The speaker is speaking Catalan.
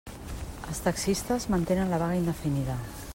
Els taxistes mantenen la vaga indefinida.